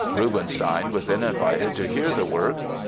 Rubinstein was then invited to hear the work.